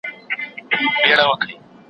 يادونه د ښوونکي له خوا کېږي